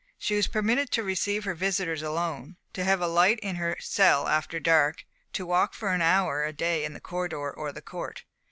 She was permitted to receive her visitors alone, to have a light in her cell after dark, to walk for an hour a day in the corridor or the court.